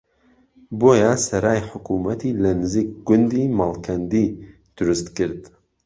بۆیە سەرای حکومەتی لە نزیک گوندی مەڵکەندی دروستکرد